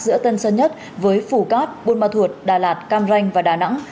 giữa tân sơn nhất với phủ cát buôn ma thuột đà lạt cam ranh và đà nẵng